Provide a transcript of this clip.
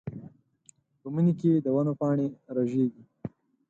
په مني کې د ونو پاڼې رژېږي.